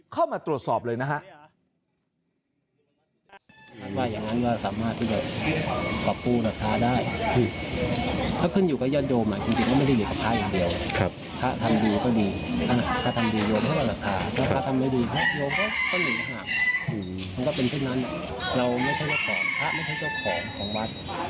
เข้ามาตรวจสอบเลยนะฮะ